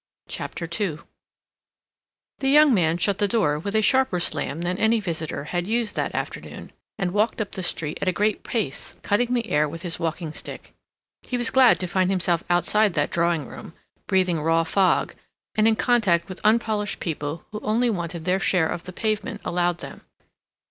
CHAPTER II The young man shut the door with a sharper slam than any visitor had used that afternoon, and walked up the street at a great pace, cutting the air with his walking stick. He was glad to find himself outside that drawing room, breathing raw fog, and in contact with unpolished people who only wanted their share of the pavement allowed them.